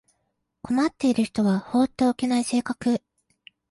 困っている人は放っておけない性格